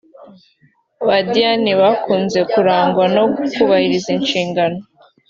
Ba Diane bakunze kurangwa no kubahiriza inshingano